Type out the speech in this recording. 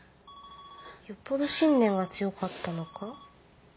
よっぽど信念が強かったのか？